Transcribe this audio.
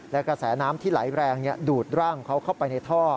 และกระแสน้ำที่ไหลแรงดูดร่างเขาเข้าไปในท่อ